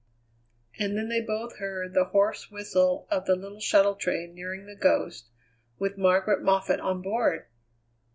And then they both heard the hoarse whistle of the little shuttle train nearing The Ghost, with Margaret Moffatt on board!